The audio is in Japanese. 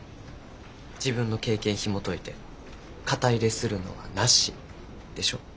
自分の経験ひもといて肩入れするのはなしでしょ。